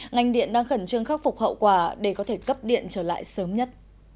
ngành điện đang khẩn trương khắc phục hậu quả để có thể cấp điện trở lại sớm nhất